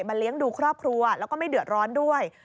เลี้ยงดูครอบครัวแล้วก็ไม่เดือดร้อนด้วย